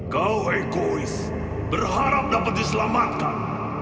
kau ekois berharap dapat diselamatkan